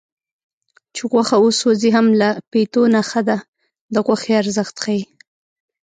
چې غوښه وسوځي هم له پیتو نه ښه ده د غوښې ارزښت ښيي